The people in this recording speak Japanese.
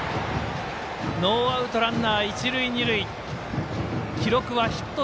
ノーアウト、ランナー、一塁二塁記録はヒット。